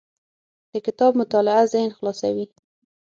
د کتاب مطالعه ذهن خلاصوي.